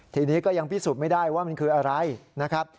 ทีนี้ก็ยังพิสูจน์ไม่ได้ว่ามันคืออะไรนะครับ